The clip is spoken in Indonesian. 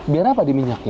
biar apa diminyakin